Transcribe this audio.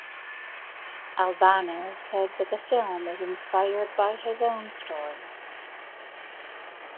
Albano said that the film is inspired by his own story.